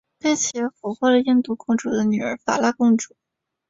并且俘获了印度公王的女儿法拉公主。